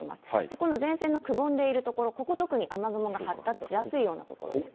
この前線のくぼんでいる所、ここ、特に雨雲が発達しやすいような所です。